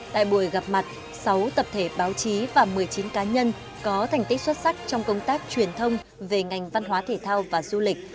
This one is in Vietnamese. tại buổi gặp mặt sáu tập thể báo chí và một mươi chín cá nhân có thành tích xuất sắc trong công tác truyền thông về ngành văn hóa thể thao và du lịch